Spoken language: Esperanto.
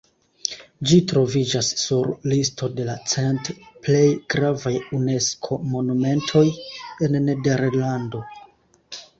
Ĝi troviĝas sur listo de la cent plej gravaj Unesko-monumentoj en Nederlando.